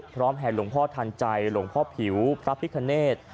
แห่หลวงพ่อทันใจหลวงพ่อผิวพระพิคเนธ